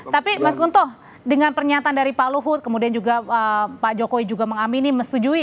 tapi mas gunto dengan pernyataan dari pak luhut kemudian juga pak jokowi juga mengamini mesetujui